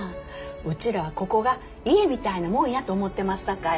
うちらはここが家みたいなもんやと思ってますさかい。